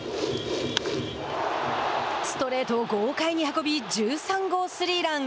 ストレートを豪快に運び１３号スリーラン。